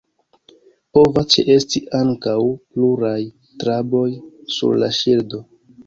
Povas ĉeesti ankaŭ pluraj traboj sur la ŝildo.